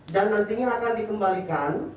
dan nantinya akan dikembalikan